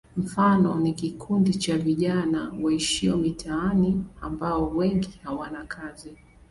Mfano ni kikundi cha vijana waishio mitaani ambao wengi hawana kazi.